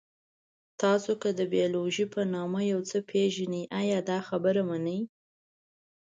تاسو که د بیولوژي په نامه یو څه پېژنئ، ایا دا خبره منئ؟